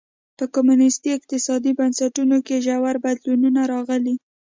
په کمونېستي اقتصادي بنسټونو کې ژور بدلونونه راغلي.